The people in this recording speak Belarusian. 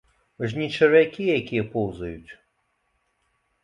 Мы ж не чарвякі, якія поўзаюць.